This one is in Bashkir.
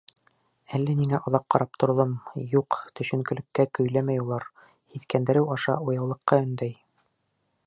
Әллә ниңә оҙаҡ ҡарап торҙом Юҡ, төшөнкөлөккә көйләмәй улар, һиҫкәндереү аша уяулыҡҡа өндәй.